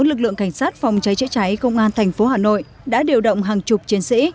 lực lượng cảnh sát phòng cháy chữa cháy công an thành phố hà nội đã điều động hàng chục chiến sĩ